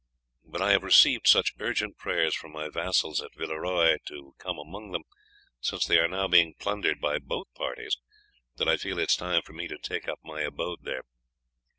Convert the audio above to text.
But I have received such urgent prayers from my vassals at Villeroy to come among them, since they are now being plundered by both parties, that I feel it is time for me to take up my abode there.